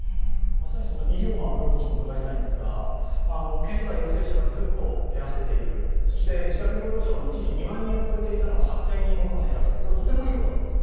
さまに医療のアプローチも伺いたいんですが、検査陽性者がぐっと減らせている、そして自宅療養者が一時２万人を超えていたのが８０００人ほどまで減らせて、とてもいいことだと思います。